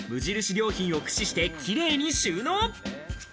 良品を駆使してキレイに収納。